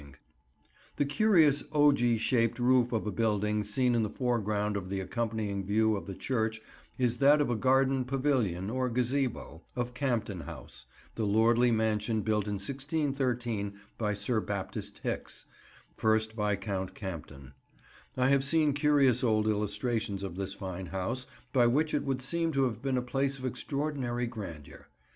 [Picture: Interior of the Market House, Chipping Campden] The curious ogee shaped roof of a building seen in the foreground of the accompanying view of the church is that of a garden pavilion, or gazebo, of Campden House, the lordly mansion built in 1613 by Sir Baptist Hicks, first Viscount Campden. I have seen curious old illustrations of this fine house, by which it would seem to have been a place of extraordinary grandeur.